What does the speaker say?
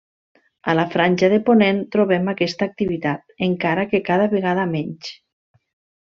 A la Franja de Ponent trobem aquesta activitat, encara que cada vegada menys.